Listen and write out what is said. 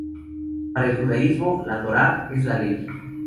Para el judaísmo, la Torá es la Ley.